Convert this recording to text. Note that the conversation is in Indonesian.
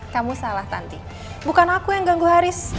kamu salah tanti bukan aku yang ganggu haris